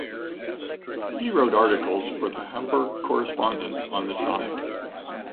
He wrote articles for the Hamburg correspondent on the side.